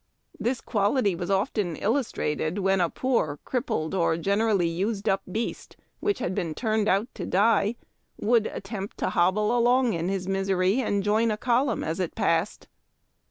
This quality was often illustrated when a poor, crippled, or generally used up beast, which had been turned out to die, would attempt to hobble along in his misery and join a column as it passed.